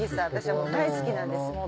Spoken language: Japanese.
私は大好きなんです。